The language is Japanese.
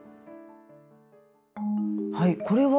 はいこれは？